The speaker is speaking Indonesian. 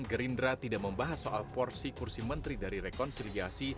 gerindra tidak membahas soal porsi kursi menteri dari rekonsiliasi